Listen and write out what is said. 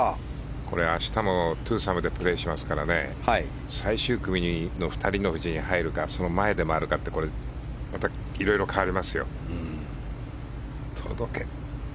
これは明日も２サムでプレーしますから最終組の２人のうちに入るかその前で回るかってまたいろいろ変わりますよ。